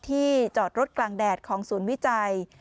จอดรถกลางแดดของศูนย์วิจัย